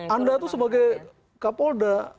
anda tuh sebagai kapolda